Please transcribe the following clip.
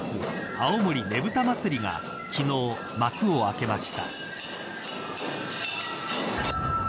青森ねぶた祭が昨日、幕を開けました。